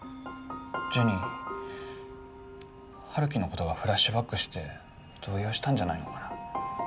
ジュニ陽樹のことがフラッシュバックして動揺したんじゃないのかな。